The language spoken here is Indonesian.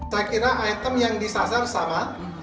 saya kira item yang disasar sama